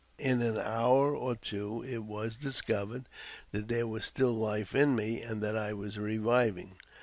In an hour or two it was discovered that there was still life in me, and that I was reviving.